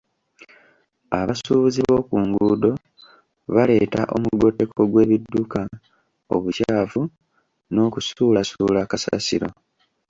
Abasuubuzi b'oku nguudo baleeta omugotteko gw'ebidduka, obukyafu n'okusuulasuula kasasiro.